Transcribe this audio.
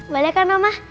boleh kan oma